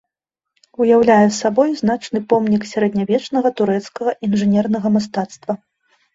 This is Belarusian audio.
Уяўляе сабой значны помнік сярэднявечнага турэцкага інжынернага мастацтва.